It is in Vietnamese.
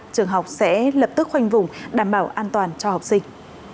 trường học sẽ lập tức khoanh vùng đảm bảo an toàn cho học sinh